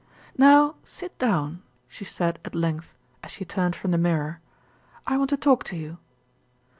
"Now sit down," she said at length, as she turned from the mirror. "I want to talk to you."